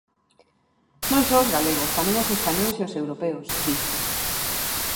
Non só os galegos, tamén os españois e os europeos, di.